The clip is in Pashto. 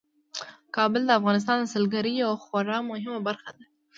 کابل د افغانستان د سیلګرۍ یوه خورا مهمه برخه ده.